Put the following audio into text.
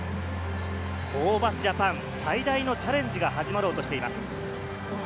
ホーバスＪＡＰＡＮ、最大のチャレンジが始まろうとしています。